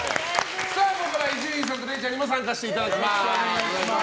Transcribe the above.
ここからは伊集院さんとれいちゃんにも参加していただきます。